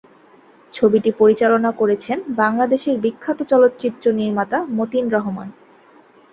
ছবিটি পরিচালনা করেছেন বাংলাদেশের বিখ্যাত চলচ্চিত্র নির্মাতা মতিন রহমান।